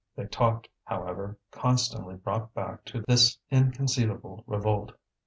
They talked, however, constantly brought back to this inconceivable revolt.